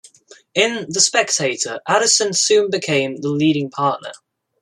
In "The Spectator", Addison soon became the leading partner.